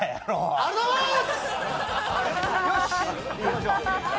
ありがとうございます！